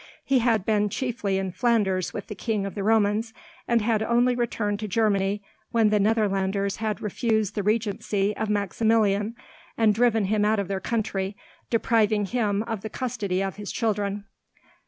He had been chiefly in Flanders with the King of the Romans, and had only returned to Germany when the Netherlanders had refused the regency of Maximilian, and driven him out of their country, depriving him of the custody of his children.